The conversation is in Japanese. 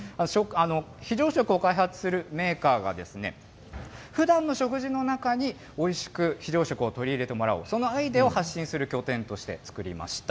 非常食を開発するメーカーが、ふだんの食事の中においしく非常食を取り入れてもらおう、そのアイデアを発信する拠点として作りました。